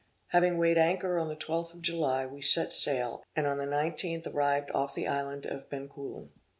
Having weighed anchor on the 12th of July, we set sail, and on the 19th arrived off the island of Bencoolen.